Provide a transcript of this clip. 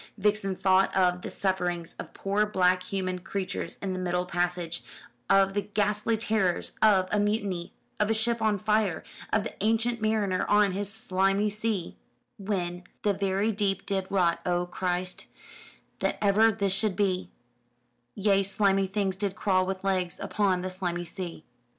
Vixen thought of the sufferings of poor black human creatures in the middle passage, of the ghastly terrors of a mutiny, of a ship on fire, of the Ancient Mariner on his slimy sea, when The very deep did rot; O Christ, That ever this should be; Yea, slimy things did crawl with legs Upon the slimy sea!